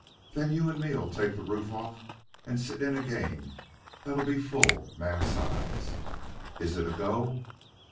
Then you and me'll take the roof off and sit in a game that'll be full man's size. Is it a go?"